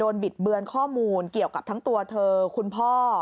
บิดเบือนข้อมูลเกี่ยวกับทั้งตัวเธอคุณพ่อ